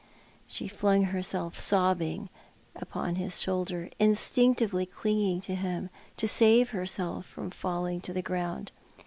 She flung herself sobbing upon his shoulder, insti'ictively clinging to him, to save herself from falling to the ground.